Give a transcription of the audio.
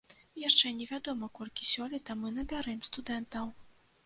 Яшчэ невядома, колькі сёлета мы набярэм студэнтаў.